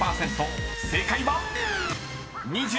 ［正解は⁉］